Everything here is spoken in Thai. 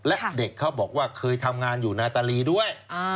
และเด็กเขาบอกว่าเคยทำงานอยู่นาตาลีด้วย